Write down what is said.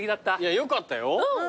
よかったよ。